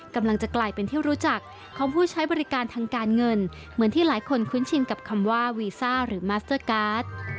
กำลังจะกลายเป็นที่รู้จักของผู้ใช้บริการทางการเงินเหมือนที่หลายคนคุ้นชินกับคำว่าวีซ่าหรือมัสเตอร์การ์ด